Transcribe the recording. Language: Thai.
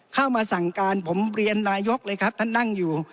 เข้ามาสั่งการผมเรียนนายกเลยครับท่านนั่งอยู่